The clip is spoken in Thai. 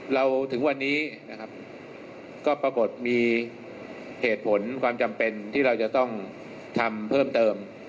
ถึงวันนี้นะครับก็ปรากฏมีเหตุผลความจำเป็นที่เราจะต้องทำเพิ่มเติม